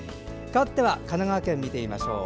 かわっては神奈川県、見てみましょう。